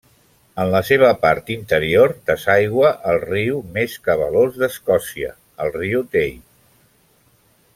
En la seva part interior desaigua el riu més cabalós d'Escòcia, el riu Tay.